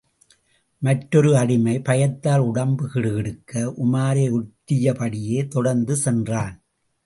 மற்றொரு அடிமை பயத்தால் உடம்பு கிடுகிடுக்க, உமாரையொட்டிய படியே தொடர்ந்து சென்றான்.